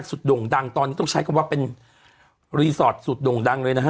โด่งดังตอนนี้ต้องใช้คำว่าเป็นรีสอร์ทสุดโด่งดังเลยนะฮะ